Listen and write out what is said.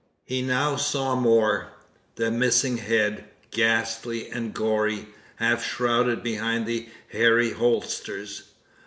He now saw more the missing head, ghastly and gory, half shrouded behind the hairy holsters!